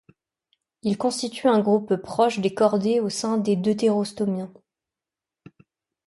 Ils constituent un groupe proche des chordés au sein des deutérostomiens.